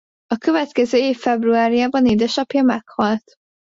A következő év februárjában édesapja meghalt.